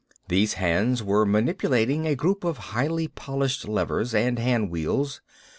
These hands were manipulating a group of highly polished levers and hand wheels.